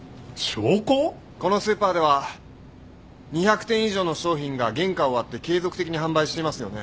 このスーパーでは２００点以上の商品が原価を割って継続的に販売していますよね。